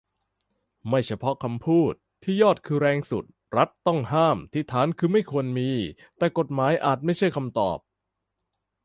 ไม่เฉพาะคำพูด ที่ยอดคือแรงสุด รัฐต้องห้าม ที่ฐานคือไม่ควรมี แต่กฎหมายอาจไม่ใช่คำตอบ